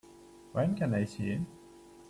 When can I see him?